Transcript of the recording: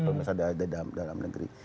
pengusaha di dalam negeri